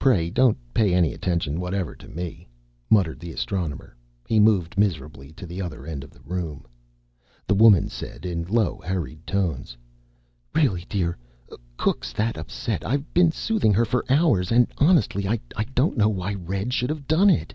"Pray don't pay any attention whatever to me," muttered the Astronomer. He moved miserably to the other end of the living room. The woman said, in low, hurried tones, "Really, dear, cook's that upset. I've been soothing her for hours and honestly, I don't know why Red should have done it."